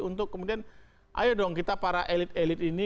untuk kemudian ayo dong kita para elit elit ini